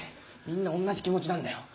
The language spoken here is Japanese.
みんなおんなじ気持ちなんだよ。